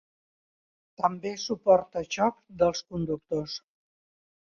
També suporta xocs dels conductors.